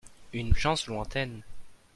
Une chance lointaine.